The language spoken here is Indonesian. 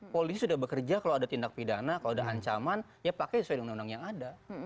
polisi sudah bekerja kalau ada tindak pidana kalau ada ancaman ya pakai sesuai undang undang yang ada